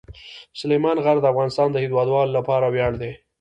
سلیمان غر د افغانستان د هیوادوالو لپاره ویاړ دی.